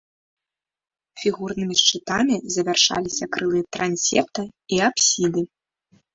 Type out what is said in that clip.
Фігурнымі шчытамі завяршаліся крылы трансепта і апсіды.